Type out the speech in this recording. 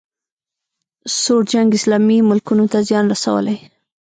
سوړ جنګ اسلامي ملکونو ته زیان رسولی